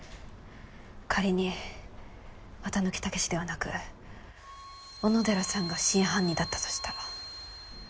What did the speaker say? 仮に綿貫猛司ではなく小野寺さんが真犯人だったとしたら。